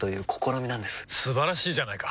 素晴らしいじゃないか！